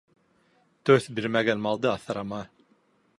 Төҫ бирмәгән малды аҫырама.